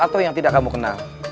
atau yang tidak kamu kenal